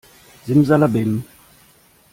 Simsalabim!